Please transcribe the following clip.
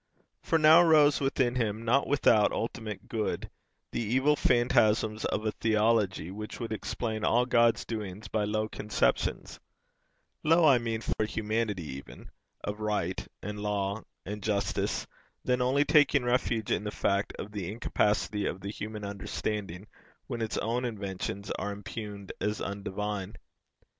For now arose within him, not without ultimate good, the evil phantasms of a theology which would explain all God's doings by low conceptions, low I mean for humanity even, of right, and law, and justice, then only taking refuge in the fact of the incapacity of the human understanding when its own inventions are impugned as undivine.